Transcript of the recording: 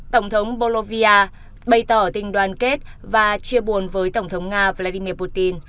tổng thống bollovia bày tỏ tình đoàn kết và chia buồn với tổng thống nga vladimir putin